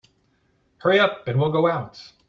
Hurry up and we'll go out.